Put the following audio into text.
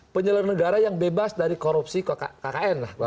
penyelenggara yang bebas dari korupsi kkn lah